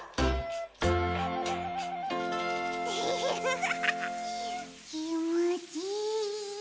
フフフフきもちいい。